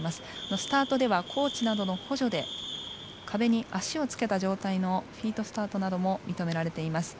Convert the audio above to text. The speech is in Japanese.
スタートではコーチなどの補助で壁に足をつけた状態のフィートスタートなども認められています。